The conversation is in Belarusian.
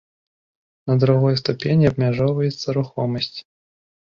На другой ступені абмяжоўваецца рухомасць.